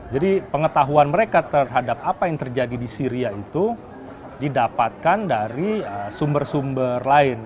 jadi pengetahuan mereka terhadap apa yang terjadi di syria itu didapatkan dari sumber sumber lain